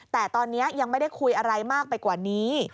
แต่ตอนนี้ยังไม่ได้คุยอะไรมากไปกว่านี้